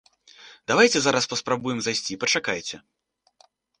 Давайце зараз паспрабуем зайсці, пачакайце.